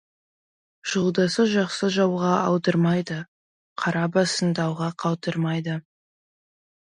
Жолдасы жақсы жауға алдырмайды, қара басын дауға қалдырмайды.